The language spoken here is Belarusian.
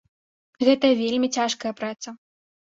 Гэта вельмі цяжкая праца.